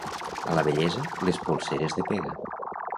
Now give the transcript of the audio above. A la vellesa, les polseres de pega.